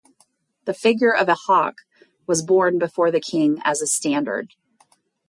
The figure of a hawk was borne before the king as a standard.